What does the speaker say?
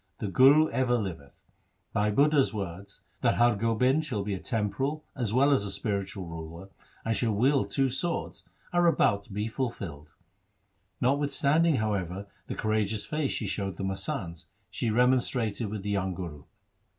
The Guru ever liveth. Bhai Budha's words, that Har Gobind shall be a temporal as well as spiritual ruler and shall wield two swords, are about to be fulfilled.' Notwithstanding, however, the courageous face she showed the masands, she remonstrated with the young Guru.